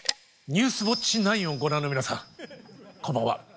「ニュースウオッチ９」をご覧の皆さんこんばんは。